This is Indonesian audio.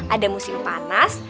ada musim panas